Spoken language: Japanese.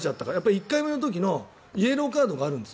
１回目の時のイエローカードがあるんです。